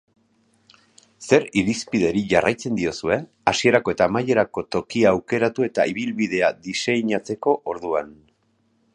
Zer irizpideri jarraitzen diezue hasierako eta amaierako tokia aukeratu eta ibilbidea diseinatzeko orduan?